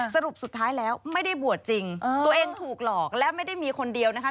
สรุปสุดท้ายแล้วไม่ได้บวชจริงตัวเองถูกหลอกและไม่ได้มีคนเดียวนะคะ